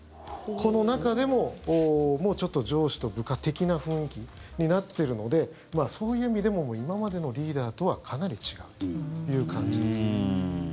この中でも、上司と部下的な雰囲気になってるのでそういう意味でも今までのリーダーとはかなり違うという感じですね。